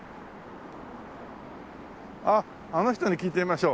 あっあの人に聞いてみましょう。